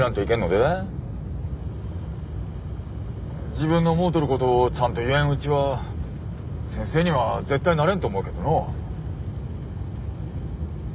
自分の思うとることをちゃんと言えんうちは先生には絶対なれんと思うけどのう。